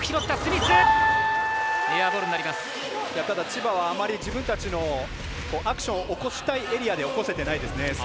ただ千葉はあまり自分たちのアクションを起こしたいエリアで起こせてないですね。